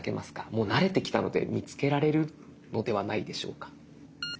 もう慣れてきたので見つけられるのではないでしょうか。